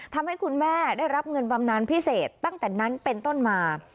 ทำให้คุณแม่ได้รับเงินบำนานพิเศษตั้งแต่นั้นเป็นต้นมา